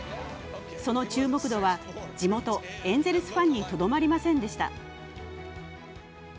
その注目度は地元・エンゼルスファンにとどまりませんでした。